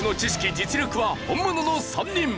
実力は本物の３人。